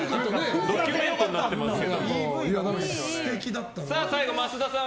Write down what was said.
ドキュメントになってますよ。